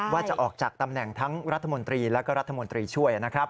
ว่าจะออกจากตำแหน่งทั้งรัฐมนตรีและก็รัฐมนตรีช่วยนะครับ